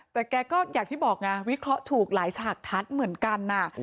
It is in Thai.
แต่แกก็อย่างที่บอกไงวิเคราะห์ถูกหลายฉากทัศน์เหมือนกัน